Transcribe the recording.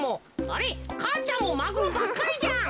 あれっ母ちゃんもマグロばっかりじゃん。